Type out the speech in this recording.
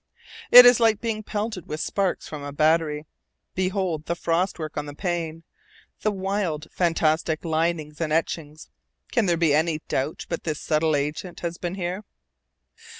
It is like being pelted with sparks from a battery. Behold the frost work on the pane, the wild, fantastic limnings and etchings! can there be any doubt but this subtle agent has been here?